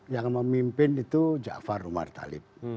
yang memimpin itu jafar umar talib